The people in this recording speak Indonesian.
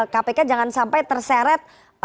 kpk jangan sampai terseret